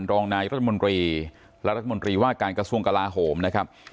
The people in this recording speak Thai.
รองนายรัฐมนตรีและรัฐมนตรีว่าการกระทรวงกลาโหมนะครับ